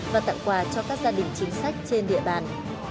và tặng quà cho các gia đình chính sách trên địa bàn